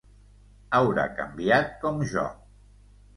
Haurà canviat com jo.